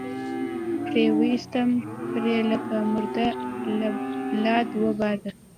پرې ويستم پيرۍ لکه مرده لۀ لاد وباده